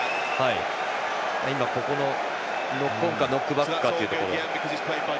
ノックオンかノックバックかというところ。